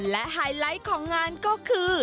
และไฮไลท์ของงานก็คือ